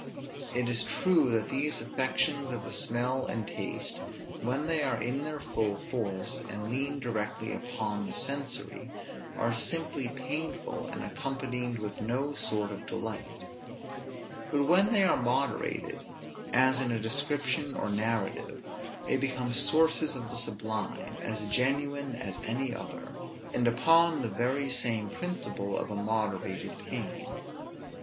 It is true that these affections of the smell and taste, when they are in their full force, and lean directly upon the sensory, are simply painful, and accompanied with no sort of delight; but when they are moderated, as in a description or narrative, they become sources of the sublime, as genuine as any other, and upon the very same principle of a moderated pain.